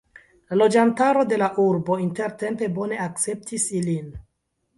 La loĝantaro de la urbo intertempe bone akceptis ilin.